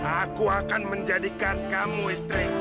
aku akan menjadikan kamu istriku